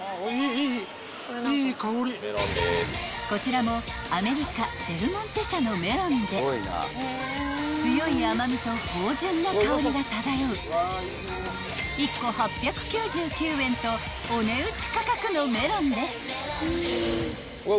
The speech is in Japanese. ［こちらもアメリカデルモンテ社のメロンで強い甘みと芳醇な香りが漂う１個８９９円とお値打ち価格のメロンです］